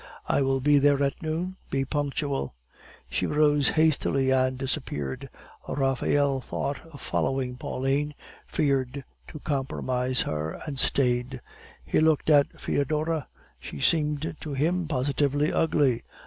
"I will be there at noon. Be punctual." She rose hastily, and disappeared. Raphael thought of following Pauline, feared to compromise her, and stayed. He looked at Foedora; she seemed to him positively ugly.